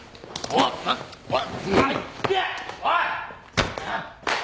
おい！